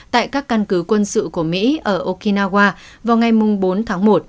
tại các căn cứ quân sự của mỹ ở okinawa vào ngày bốn tháng một